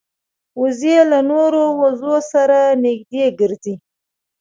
وزې له نورو وزو سره نږدې ګرځي